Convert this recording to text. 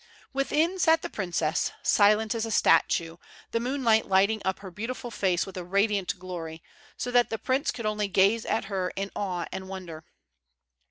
Within sat the princess, silent as a statue, the moonlight lighting up her beautiful face with a radiant glory, so that the prince could only gaze at her in awe and wonder.